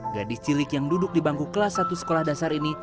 gadis cilik yang duduk di bangku kelas satu sekolah dasar ini